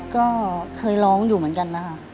ก็เคยร้องอยู่เหมือนกันนะคะ